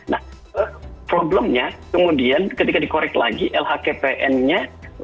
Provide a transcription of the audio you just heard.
nah problemnya kemudian ketika dikorek lagi lhkpn nya